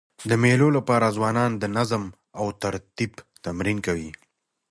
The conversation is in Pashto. د مېلو له پاره ځوانان د نظم او ترتیب تمرین کوي.